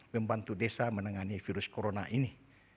membantu desa menangani virus corona ini